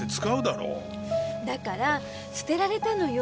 だから捨てられたのよ。